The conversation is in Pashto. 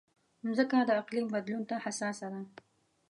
مځکه د اقلیم بدلون ته حساسه ده.